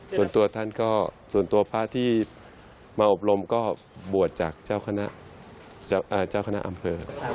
ส่วนตัวท่านก็ส่วนตัวพระที่มาอบรมก็บวชจากเจ้าคณะอำเภอ